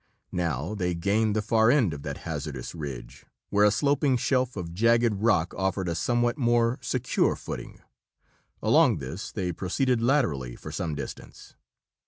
Now they gained the far end of that hazardous ridge, where a sloping shelf of jagged rock offered a somewhat more secure footing. Along this they proceeded laterally for some distance.